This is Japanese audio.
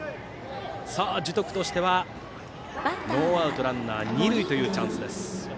樹徳としてはノーアウトランナー、二塁というチャンス。